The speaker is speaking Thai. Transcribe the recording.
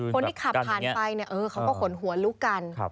คนที่ขับผ่านไปเขาก็ขนหัวลุกกัน